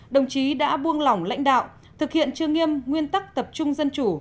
đồng chí đã buông lỏng lãnh đạo thực hiện chưa nghiêm nguyên tắc tập trung dân chủ